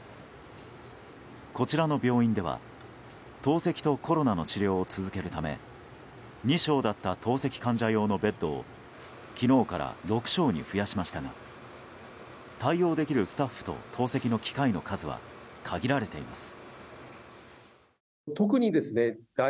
こちらの病院では、透析とコロナの治療を続けるため２床だった透析患者用のベッドを昨日から６床に増やしましたが対応できるスタッフと透析の機械の数は限られています。